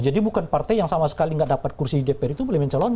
jadi bukan partai yang sama sekali tidak dapat kursi dpr itu boleh mencalonkan